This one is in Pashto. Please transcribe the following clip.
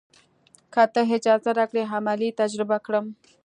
که تۀ اجازه راکړې عملي تجربه یې کړم.